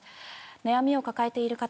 悩みを抱えている方